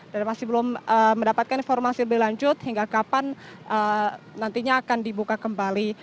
dan masih belum mendapatkan informasi lebih lanjut hingga kapan nantinya akan dibuka kembali